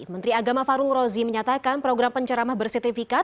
menteri agama farul rozi menyatakan program pencerama bersertifikat